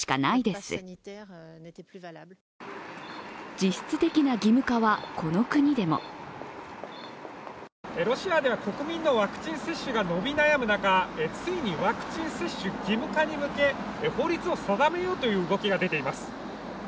実質的な義務化はこの国でもロシアでは国民のワクチン接種が伸び悩む中、ついにワクチン接種義務化に向け法律を定めようという動きが出ています。